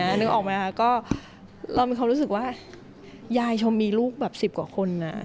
นึกออกไหมคะก็เรามีความรู้สึกว่ายายชมมีลูกแบบ๑๐กว่าคน